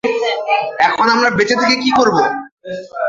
এখন আমরা বেঁচে থেকে কি করব?